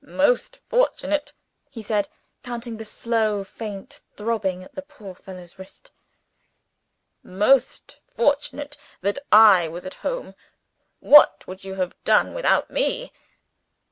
"Most fortunate," he said, counting the slow, faint throbbing at the poor fellow's wrist "most fortunate that I was at home. What would you have done without me?"